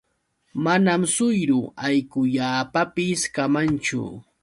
Manam suyru allqullaapapis kamanchu.